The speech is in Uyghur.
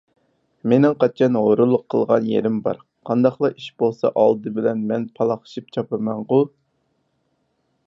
مېنىڭ قاچان ھۇرۇنلۇق قىلغان يېرىم بار؟ قانداقلا ئىش بولسا ئالدى بىلەن مەن پالاقشىپ چاپىمەنغۇ!